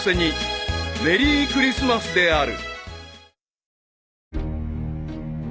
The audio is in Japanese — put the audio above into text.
［メリークリスマスである］